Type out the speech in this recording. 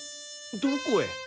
どこへ？